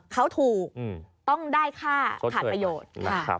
เขาถูกต้องได้ค่าขาดประโยชน์